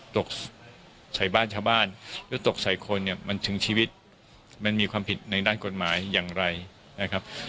ตกใส่บ้านชาวบ้านหรือตกใส่คนเนี่ยมันถึงชีวิตมันมีความผิดในด้านกฎหมายอย่างไรนะครับ